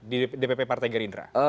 di dpp partai gerindra